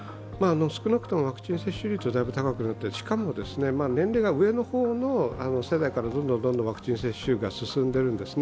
少なくともワクチン接種率はだいぶ、高くなってしかも年齢が上の方の世代からどんどんワクチン接種が進んでるんですね。